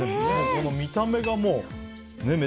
この見た目が、もう。